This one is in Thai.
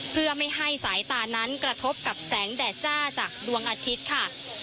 เพื่อไม่ให้สายตานั้นกระทบกับแสงแดดจ้าจากดวงอาทิตย์ค่ะ